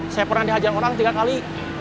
saya pernah dihajar orang tiga kali